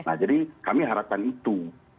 nah jadi kami harapkan itu